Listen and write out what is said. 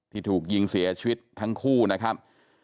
ถูกยิงเสียชีวิตทั้งคู่นะครับ